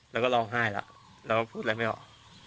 แล้วก็ร้องไห้แล้วเราก็พูดอะไรไม่ออก